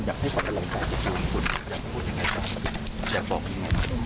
อยากบอกคุณอย่างไร